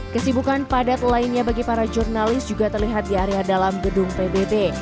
kesibukan padat lainnya bagi para jurnalis juga terlihat di area dalam gedung pbb